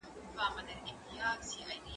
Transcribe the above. زه پرون درسونه اورم وم